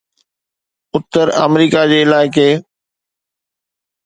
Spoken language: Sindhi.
اتر آمريڪا جي علائقي